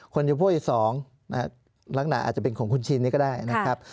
คนยำพวกที่๒ลักหน่าอาจจะเป็นของคุณชินนี้ก็ได้นะครับ